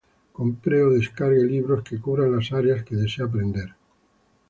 Compre o descargue libros que cubran las áreas que desea aprender.